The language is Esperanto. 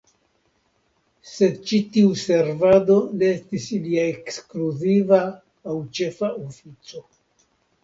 Sed ĉi tiu servado ne estis ilia ekskluziva aŭ ĉefa ofico.